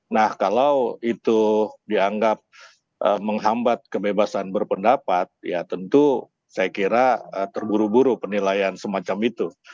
nah kalau itu dianggap menghambat kebebasan berpendapat ya tentu saya kira terburu buru penilaian semacam itu